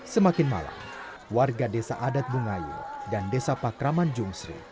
semakin malam warga desa adat bungayu dan desa pakraman jungsri